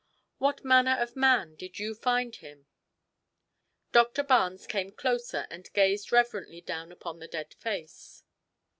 What manner of man did you find him?" Doctor Barnes came closer and gazed reverently down upon the dead face.